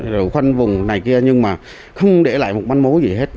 rồi khoanh vùng này kia nhưng mà không để lại một manh mối gì hết